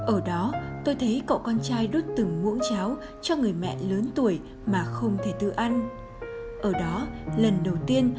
ở đó tôi thấy cậu con trai đút từng ngũ cháo cho người mẹ lớn tuổi mà không thể tự ăn